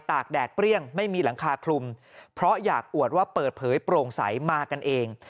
กแดดเปรี้ยงไม่มีหลังคาคลุมเพราะอยากอวดว่าเปิดเผยโปร่งใสมากันเอง